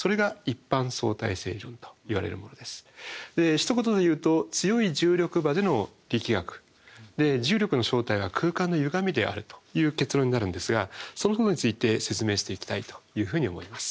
ひと言で言うと強い重力場での力学で重力の正体は空間のゆがみであるという結論になるんですがそのことについて説明していきたいというふうに思います。